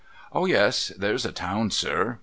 ' Oh yes, there's a town, sir !